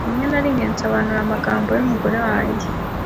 Rimwe na rimwe nsobanura amagambo y'umugore wanjye.